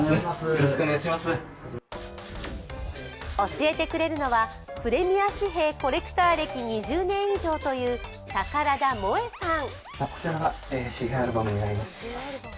教えてくれるのは、プレミア紙幣コレクター歴２０年以上という宝田萌さん。